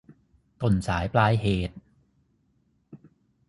ต้นสายปลายเหตุ